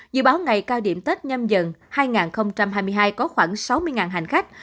dự báo ngày cao điểm tết nhâm dần hai nghìn hai mươi hai có khoảng sáu mươi hành khách